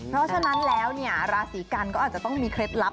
เพราะฉะนั้นแล้วราศิกรรมก็อาจจะต้องมีเคล็ดลับ